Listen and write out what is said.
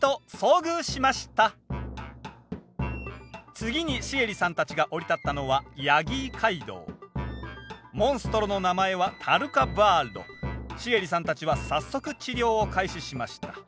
次にシエリさんたちが降り立ったのはモンストロの名前はシエリさんたちは早速治療を開始しました。